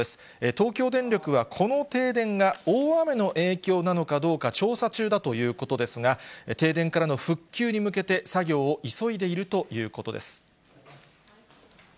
東京電力は、この停電が大雨の影響なのかどうか調査中だということですが、停電からの復旧に向けて、作業を急いでいるということです。